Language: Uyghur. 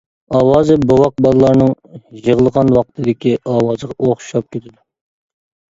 ئاۋازى بوۋاق بالىلارنىڭ يىغلىغان ۋاقتىدىكى ئاۋازىغا ئوخشاپ كېتىدۇ.